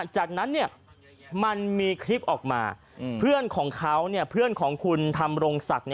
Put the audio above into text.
จากนั้นมันมีคลิปออกมาเพื่อนของเขาเพื่อนของคุณทำรงศักดิ์